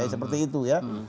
seperti itu ya